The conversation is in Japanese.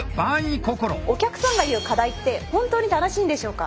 お客さんが言う課題って本当に正しいんでしょうか。